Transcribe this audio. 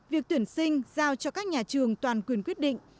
việc tuyển sinh giao cho các nhà trường toàn quyền quyết định